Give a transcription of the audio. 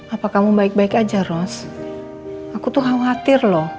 apa kamu baik baik aja ros aku tuh khawatir loh